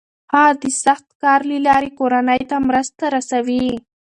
هغه د سخت کار له لارې کورنۍ ته مرسته رسوي.